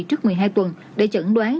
trước một mươi hai tuần để chẩn đoán